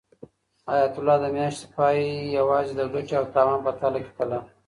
حیات الله د میاشتې پای یوازې د ګټې او تاوان په تله کې تلاوه.